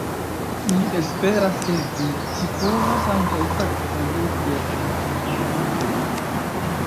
Mi esperas, ke vi scipovos ankaŭ facile plialtigi vian nivelon.